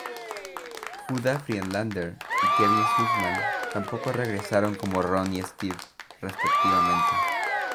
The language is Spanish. Judah Friedlander y Kevin Sussman tampoco regresaron como Ron y Steve, respectivamente.